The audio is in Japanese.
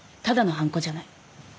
ただのはんこじゃない。